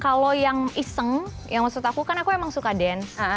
kalau yang iseng yang maksud aku kan aku emang suka dance